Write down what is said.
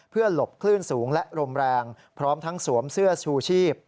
เพื่อหลบคลื่นสูงและลมแรงพร้อมทั้งสวมเสื้อชูชีพ